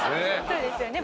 「そうですよね